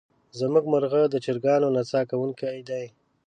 زمونږ مرغه د چرګانو نڅا کوونکې دی.